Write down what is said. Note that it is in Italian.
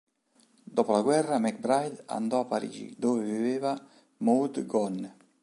Dopo la guerra MacBride andò a Parigi, dove viveva Maud Gonne.